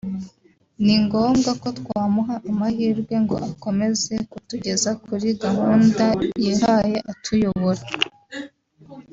ni ngombwa ko twamuha amahirwe ngo akomeze kutugeza kuri gahunda yihaye atuyobora